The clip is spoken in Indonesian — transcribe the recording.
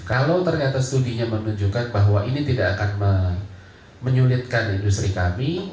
kalau ternyata studinya menunjukkan bahwa ini tidak akan menyulitkan industri kami